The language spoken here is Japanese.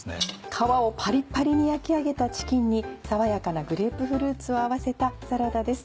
皮をパリッパリに焼き上げたチキンに爽やかなグレープフルーツを合わせたサラダです。